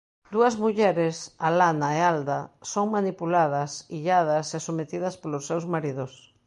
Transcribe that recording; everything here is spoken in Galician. Dúas mulleres, Alana e Alda, son manipuladas, illadas e sometidas polos seus maridos.